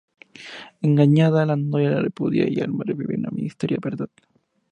Engañada, la novia le repudia y Alma revive una misteriosa verdad...